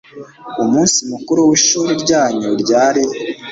Umunsi mukuru wishuri ryanyu ryari